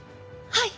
はい。